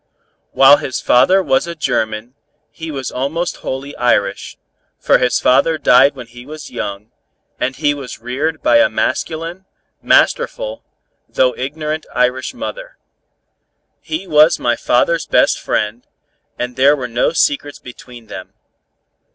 While his father was a German, he was almost wholly Irish, for his father died when he was young, and he was reared by a masculine, masterful, though ignorant Irish mother. He was my father's best friend, and there were no secrets between them.